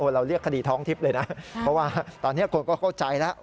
เราเรียกคดีท้องทิพย์เลยนะเพราะว่าตอนนี้คนก็เข้าใจแล้ว